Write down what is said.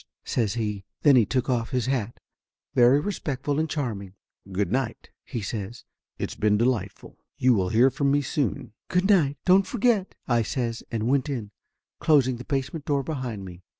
says he. Then he took off his hat, very respectful and charming. "Good night," he says. "It's been delightful. You will hear from me soon." "Good night, don't forget!" I says, and went in, closing the basement door behind me.